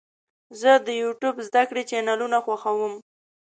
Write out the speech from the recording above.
زه د یوټیوب زده کړې چینلونه خوښوم.